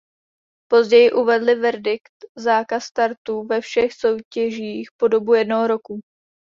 Později uvedli verdikt zákaz startu ve všech soutěžích po dobu jednoho roku.